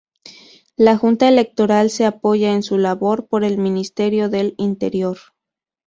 La Junta Electoral se apoya en su labor por el Ministerio del Interior.